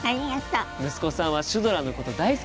息子さんはシュドラのこと大好きなんだって！